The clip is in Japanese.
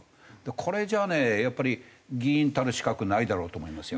これじゃあねやっぱり議員たる資格ないだろうと思いますよ。